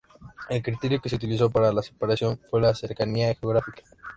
El criterio que se utilizó para la separación fue la cercanía geográfica.